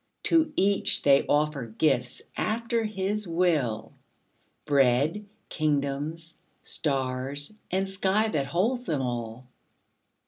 To each they offer gifts after his will, Bread, kingdoms, stars, and sky that holds them all.